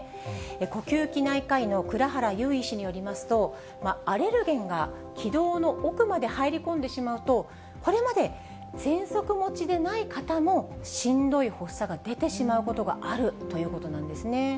呼吸器内科医の倉原優医師によりますと、アレルゲンが気道の奥まで入り込んでしまうと、これまでぜんそく持ちでない方も、しんどい発作が出てしまうことがあるということなんですね。